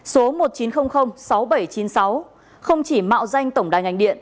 số một chín không không sáu bảy chín sáu không chỉ mạo danh tổng đa ngành điện